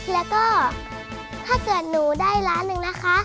แล้วก็ถ้าเกิดหนูได้ล้านหนึ่งนะคะ